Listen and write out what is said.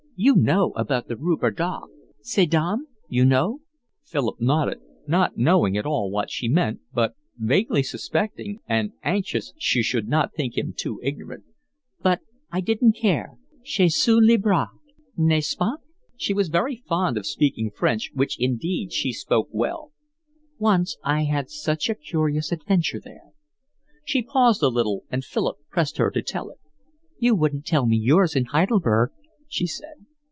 You know about the Rue Breda—ces dames, you know." Philip nodded, not knowing at all what she meant, but vaguely suspecting, and anxious she should not think him too ignorant. "But I didn't care. Je suis libre, n'est ce pas?" She was very fond of speaking French, which indeed she spoke well. "Once I had such a curious adventure there." She paused a little and Philip pressed her to tell it. "You wouldn't tell me yours in Heidelberg," she said.